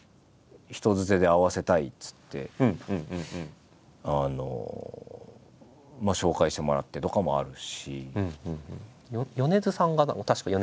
人づてで会わせたいっつって紹介してもらってとかもあるし。